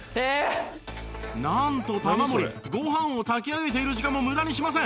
なんと玉森ご飯を炊き上げている時間も無駄にしません！